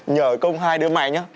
nhờ công hai đứa mày nhá